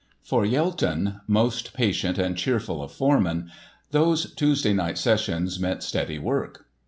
For Yelton, most patient and cheerful of foremen, those Tuesday night sessions meant steady work.